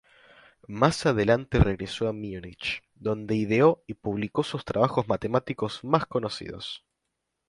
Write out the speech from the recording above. Más adelante regresó a Múnich, donde ideó y publicó sus trabajos matemáticos más conocidos.